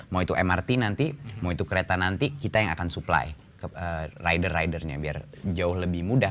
mau itu mrt nanti mau itu kereta nanti kita yang akan supply rider ridernya biar jauh lebih mudah